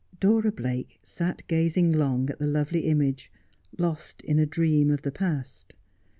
Dora Blake sat gazing long at the lovely image, lost in a dream of the past.